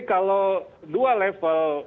kalau dua level